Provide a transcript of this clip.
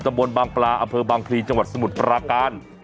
ตำรวจบางกลาอเภอบางพลีจังหวัดสมุดปราการ